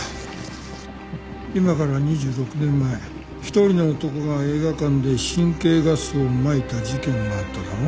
今から２６年前１人の男が映画館で神経ガスをまいた事件があっただろ？